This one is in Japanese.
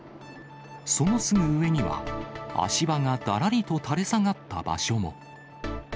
そのすぐ上には、足場がだらりと垂れ下がった場所も。